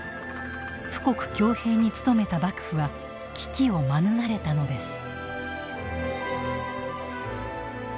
富国強兵に努めた幕府は危機を免れたのです。